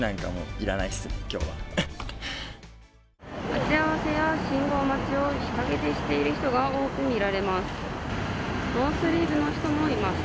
待ち合わせや信号待ちを日影でしている人が、多く見られます。